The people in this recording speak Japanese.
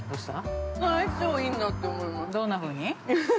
◆どんなふうに。